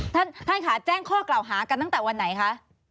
ท่านค่ะแจ้งข้อกล่าวหากันตั้งแต่วันไหนคะ